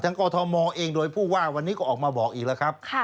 กอทมเองโดยผู้ว่าวันนี้ก็ออกมาบอกอีกแล้วครับ